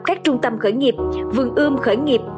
các trung tâm khởi nghiệp vườn ươm khởi nghiệp